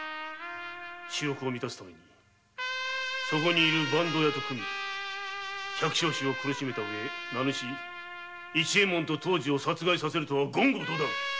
私欲を満たすためそこの板東屋と組み百姓衆を苦しめた上名主・市右衛門と藤次を殺害させるとは言語道断！